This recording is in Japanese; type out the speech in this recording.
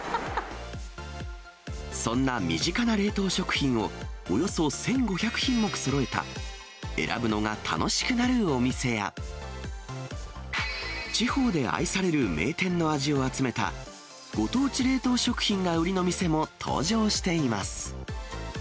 そんな身近な冷凍食品をおよそ１５００品目そろえた、選ぶのが楽しくなるお店や、地方で愛される名店の味を集めた、ご当地冷凍食品が売りの店も登場しています。